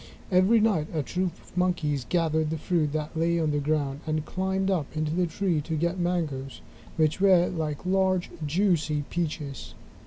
Every night a troop of Monkeys gathered the fruit that lay on the ground and climbed up into the tree to get the mangoes, which were like large, juicy peaches.